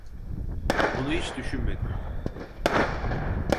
Bunu hiç düşünmedim.